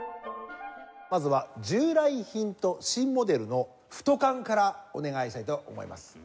まずは従来品と新モデルの太管からお願いしたいと思います。